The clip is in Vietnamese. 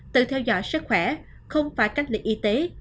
tự theo dõi sức khỏe không phải cách ly y tế